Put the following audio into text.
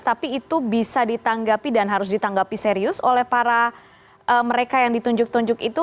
tapi itu bisa ditanggapi dan harus ditanggapi serius oleh para mereka yang ditunjuk tunjuk itu